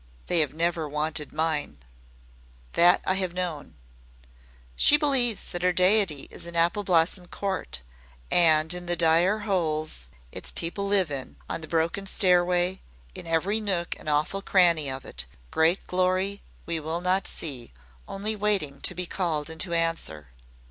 They have never wanted mine. That I have known KNOWN. She believes that her Deity is in Apple Blossom Court in the dire holes its people live in, on the broken stairway, in every nook and awful cranny of it a great Glory we will not see only waiting to be called and to answer.